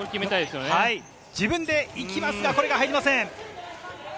自分で行きますが、これが入りません。